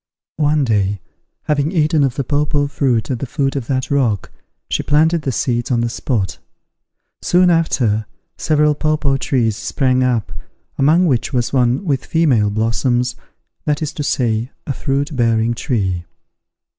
One day, having eaten of the papaw fruit at the foot of that rock, she planted the seeds on the spot. Soon after, several papaw trees sprang up, among which was one with female blossoms, that is to say, a fruit bearing tree.